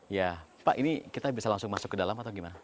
ya pak ini kita bisa langsung masuk ke dalam atau gimana